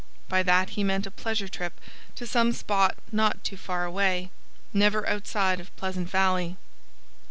By that he meant a pleasure trip to some spot not too far away never outside of Pleasant Valley.